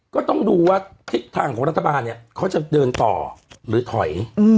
ก็ต้องดูว่าทางของเราจะเดินต่อหรือทอย